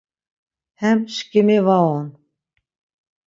Hem şǩimi va on.